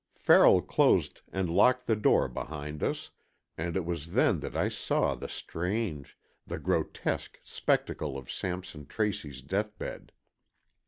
Farrell closed and locked the door behind us, and it was then that I saw the strange, the grotesque spectacle of Sampson Tracy's deathbed.